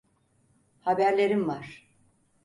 Haberlerim var.